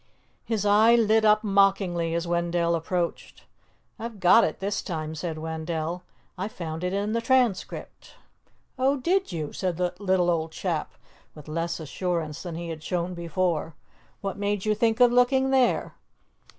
His eye lit up mockingly as Wendell approached. "I've got it this time," said Wendell. "I found it in the Transcript." "Oh, did you?" said the little old chap with less assurance than he had shown before. "What made you think of looking there?"